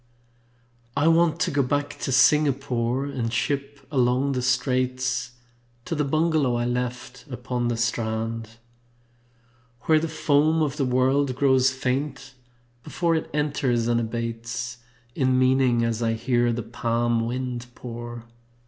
I want to go back to Singapore And ship along the Straits To the bungalow I left upon the strand. Where the foam of the world grows faint before It enters, and abates In meaning as I hear the palm wind pour.